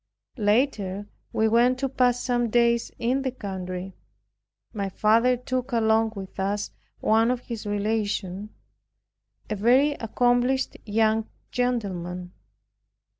Later we went to pass some days in the country. My father took along with us one of his relations, a very accomplished young gentleman.